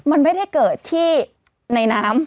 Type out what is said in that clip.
มันไม่ได้เกิดที่ในน้ำ